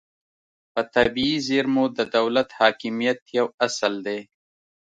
په طبیعي زیرمو د دولت حاکمیت یو اصل دی